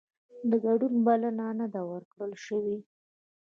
د ګډون بلنه نه ده ورکړل شوې